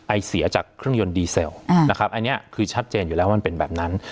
ไอเสียจากเครื่องยนต์ดีเซลนะครับอันนี้คือชัดเจนอยู่แล้วว่ามันเป็นแบบนั้น